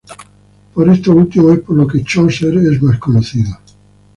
Por estos últimos es por los que Chaucer es más conocido.